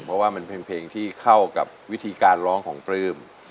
เพราะว่ามันเป็นเพลงที่เข้ากับวิธีการร้องของปลื้ม